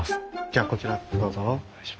じゃあこちらどうぞ。